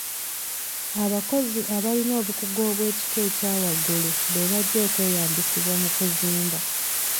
Abakozi abalina obukugu obw'ekika ekya waggulu be bajja okweyambisibwa mu kuzimba.